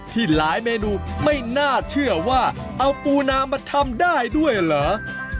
ที่หลายเมนูไม่น่าเชื่อว่าเอาปูนามาทำได้ด้วยเหรอ